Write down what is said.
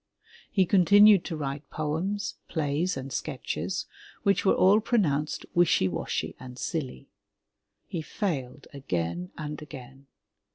He continued to write poems, plays and sketches, which were all pronounced wishy washy and silly. He failed again and again.